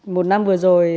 một năm vừa rồi